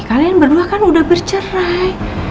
kalian berdua kan udah bercerai